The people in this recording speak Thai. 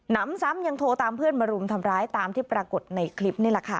นำซ้ำยังโทรตามเพื่อนมารุมทำร้ายตามที่ปรากฏในคลิปนี่แหละค่ะ